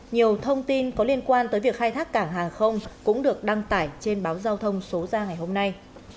nhiều thông tin có liên quan tới việc khai thác cảng hàng không cũng được đăng tải trên báo giao thông số ra ngày hôm nay